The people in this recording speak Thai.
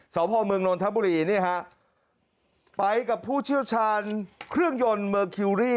สพเมืองนนทบุรีนี่ฮะไปกับผู้เชี่ยวชาญเครื่องยนต์เมอร์คิวรี่